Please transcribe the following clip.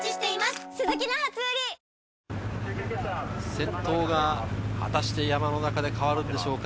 先頭が果たして山の中で変わるのでしょうか？